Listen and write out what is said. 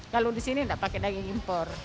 kalau di sini tidak pakai daging impor